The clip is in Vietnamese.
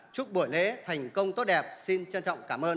chúc buổi lễ thành công tốt đẹp xin trân trọng cảm ơn